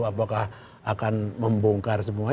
apakah akan membongkar semua